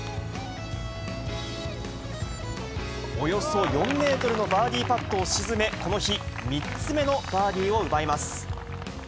およそ４メートルのバーディーパットを沈め、この日、３つ目のバーディーを奪います。